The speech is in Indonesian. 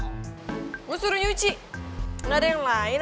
lo suruh nyuci gak ada yang lain